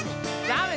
ダメ！